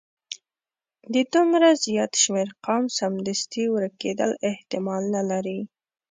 د دومره زیات شمیر قوم سمدستي ورکیدل احتمال نه لري.